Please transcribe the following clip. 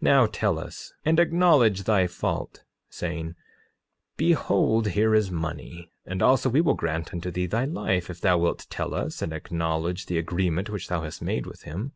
Now tell us, and acknowledge thy fault; saying, Behold here is money; and also we will grant unto thee thy life if thou wilt tell us, and acknowledge the agreement which thou hast made with him.